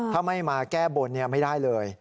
ถ้าไม่มาแก้บนไม่ได้เลย